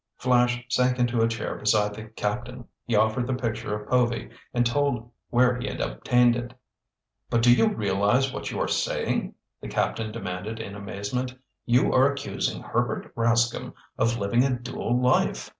Flash sank into a chair beside the captain. He offered the picture of Povy and told where he had obtained it. "But do you realize what you are saying?" the Captain demanded in amazement. "You are accusing Herbert Rascomb of living a dual life!"